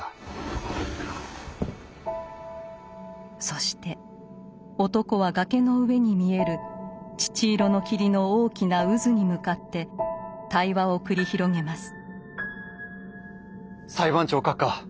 そして男は崖の上に見える乳色の霧の大きな渦に向かって対話を繰り広げます。